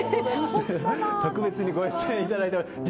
特別にご出演いただきました。